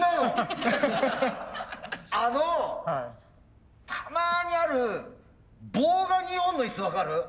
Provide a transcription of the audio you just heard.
あのたまにある棒が２本の椅子分かる？